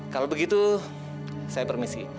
kalau begitu saya permisi